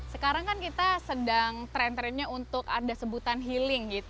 sekarang kan kita sedang tren trennya untuk ada sebutan healing